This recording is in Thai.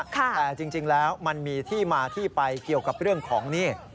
แต่จริงแล้วมันมีที่มาที่ไปเกี่ยวกับเรื่องของนี่